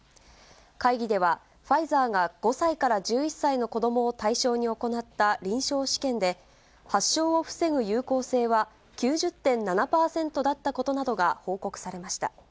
会議ではファイザーが５歳から１１歳の子どもを対象に行った臨床試験で、発症を防ぐ有効性は９０．７％だったことなどが報告されました。